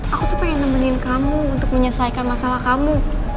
aku tuh pengen nemenin kamu untuk menyelesaikan masalah kamu